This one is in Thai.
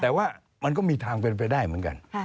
แต่ว่ามันก็มีทางเป็นไปได้เหมือนกัน